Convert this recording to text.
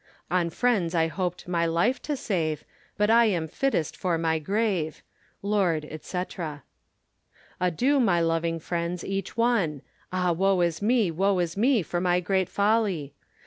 On friends I hopte my life to save, But I am fittest for my grave. Lord, &c. Adue my loving friends, each one: Ah woe is me, woe is me, for my great folly!